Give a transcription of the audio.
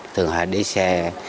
thường hãy đi xe